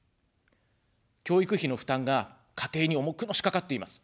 教育費の負担が家庭に重くのしかかっています。